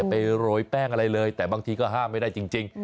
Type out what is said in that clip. ไปโรยแป้งอะไรเลยแต่บางทีก็ห้ามไม่ได้จริง